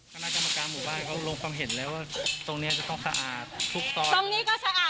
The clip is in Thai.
ตรงนี้ก็สะอาดแต่พวกมันนั่นแหละบอกพวกผลัดกระยะไม่ให้ผลัดในนี้